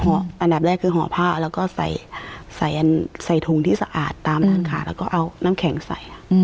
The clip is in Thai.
อันดับแรกคือห่อผ้าแล้วก็ใส่ถุงที่สะอาดตามร้านขาแล้วก็เอาน้ำแข็งใส่